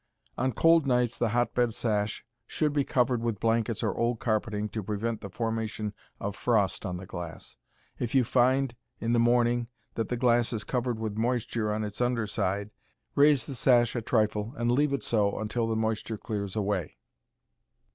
On cold nights the hotbed sash should be covered with blankets or old carpeting to prevent the formation of frost on the glass. If you find, in the morning, that the glass is covered with moisture on its under side, raise the sash a trifle and leave it so until the moisture clears away.